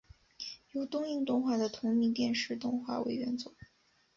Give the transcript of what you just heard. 由东映动画的同名电视动画为原作。